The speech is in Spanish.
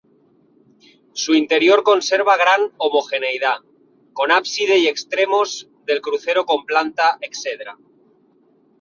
Su interior conserva gran homogeneidad, con ábside y extremos del crucero con planta exedra.